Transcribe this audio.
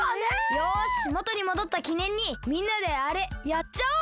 よしもとにもどったきねんにみんなであれやっちゃおう！